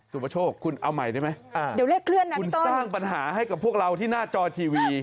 ประโชคคุณเอาใหม่ได้ไหมเดี๋ยวเลขเคลื่อนนะคุณสร้างปัญหาให้กับพวกเราที่หน้าจอทีวี